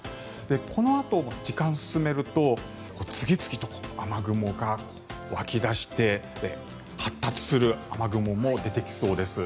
このあと時間を進めると次々と雨雲が湧き出して発達する雨雲も出てきそうです。